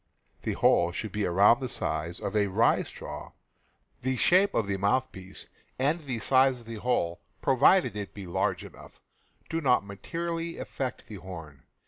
The hole should be about the size of a rye straw. The shape of the mouthpiece and the size of the hole — pro vided it be large enough — do not materially affect the horn.